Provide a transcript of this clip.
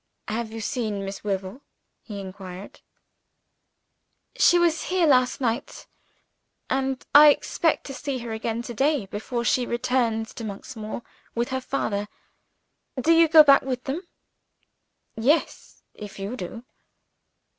"Have you seen Miss Wyvil?" he inquired. "She was here last night; and I expect to see her again to day before she returns to Monksmoor with her father. Do you go back with them?" "Yes if you do."